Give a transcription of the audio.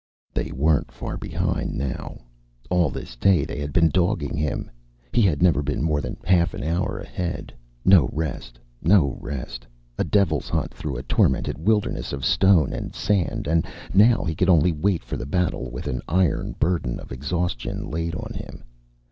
They weren't far behind now. All this day they had been dogging him; he had never been more than half an hour ahead. No rest, no rest, a devil's hunt through a tormented wilderness of stone and sand, and now he could only wait for the battle with an iron burden of exhaustion laid on him.